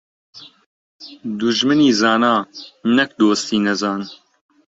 دوژمنی زانا، نەک دۆستی نەزان.